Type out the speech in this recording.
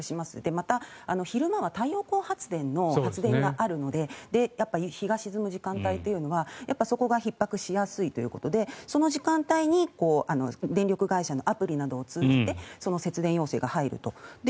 また、昼間は太陽光発電の発電があるので日が沈む時間帯というのはそこがひっ迫しやすいというのでその時間帯に電力会社のアプリなどを通じて節電要請が入ると。